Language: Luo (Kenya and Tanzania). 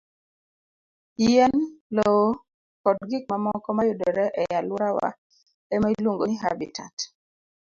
Yien, lowo, kod gik mamoko ma yudore e alworawa e ma iluongo ni habitat.